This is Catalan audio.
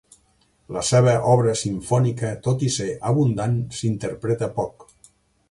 La seva obra simfònica, tot i ser abundant, s'interpreta poc.